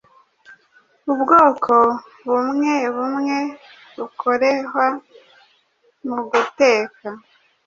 Ubwoko bumwebumwe bukorehwa muguteka